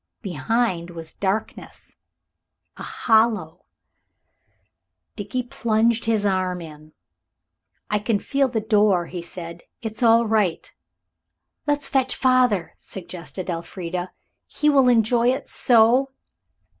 Behind was darkness, a hollow Dickie plunged his arm in. "I can feel the door," he said; "it's all right." "Let's fetch father," suggested Elfrida; "he will enjoy it so."